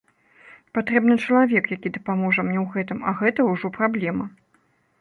Патрэбны чалавек, які дапаможа мне ў гэтым, а гэта ўжо праблема.